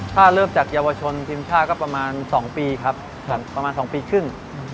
ถ้าเลิบจากยาวชนทีมชาก็ประมาณสองปีครับสองปีขึ้น